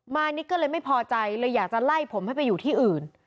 มานิดก็เลยไม่พอใจเลยอยากจะไล่ผมให้ไปอยู่ที่อื่น